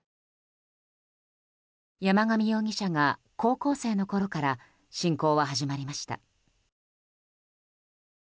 山上容疑者が高校生のころから親交は始まりました。